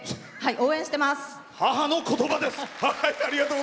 応援してます！